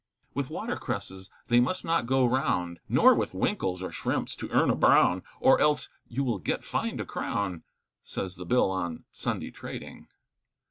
With watercresses they must not go round, Nor with winkles or shrimps to earn a brown, Or else you will get fined a crown, Says the Bill on Sunday trading.